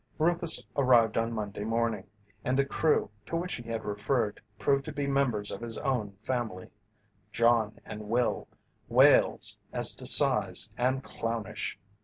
Rufus arrived on Monday morning, and the "crew" to which he had referred proved to be members of his own family John and Will whales as to size, and clownish.